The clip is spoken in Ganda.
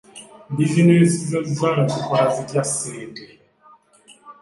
Bizinensi za zzaala zikola zitya ssente?